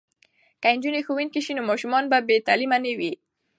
که نجونې ښوونکې شي نو ماشومان به بې تعلیمه نه وي.